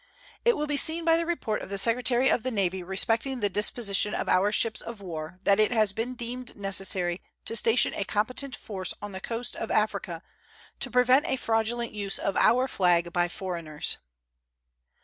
It will be seen by the report of the Secretary of the Navy respecting the disposition of our ships of war that it has been deemed necessary to station a competent force on the coast of Africa to prevent a fraudulent use of our flag by foreigners.